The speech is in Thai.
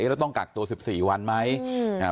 เอ๊ะแล้วต้องกักตัวสิบสี่วันไหมอืม